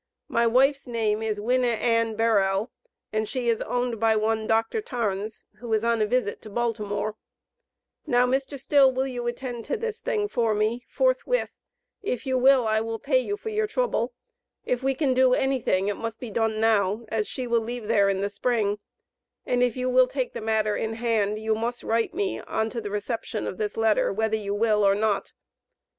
My wifes name is Winne Ann Berrell, and she is oned by one Dr. Tarns who is on a viset to Baltimore, now Mr Still will you attend to this thing for me, fourthwith, if you will I will pay you four your truble, if we can dow any thing it must be don now, as she will leave theare in the spring, and if you will take the matter in hand, you mous writ me on to reseption of this letter, whether you will or not.